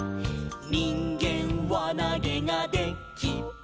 「にんげんわなげがで・き・る」